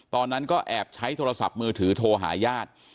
ตอนนั้นก็แอบใช้โทรศัพท์มือถือโทรหาญาติ